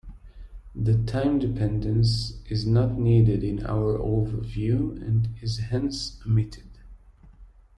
The time dependence is not needed in our overview and is hence omitted.